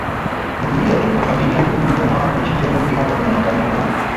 kutulia tu na familia ndugu na jamaa Kuchinja mbuzi hapa kuna za matambiko na